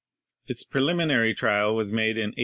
Its preliminary trial was made in 1857.